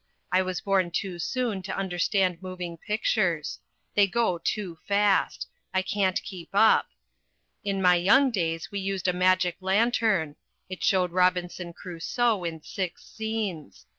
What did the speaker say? I was born too soon to understand moving pictures. They go too fast. I can't keep up. In my young days we used a magic lantern. It showed Robinson Crusoe in six scenes.